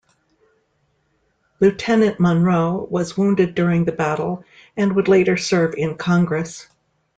Lieutenant Monroe was wounded during the battle and would later serve in Congress.